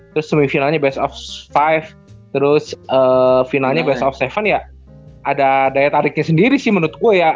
terus semifinalnya best of five terus finalnya best of tujuh ya ada daya tariknya sendiri sih menurutku ya